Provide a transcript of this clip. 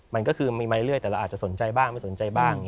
มันก็คือมีมาเรื่อยแต่เราอาจจะสนใจบ้างไม่สนใจบ้าง